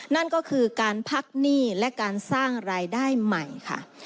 นั่นก็คือการพักหนี้และการสร้างรายได้ใหม่ค่ะ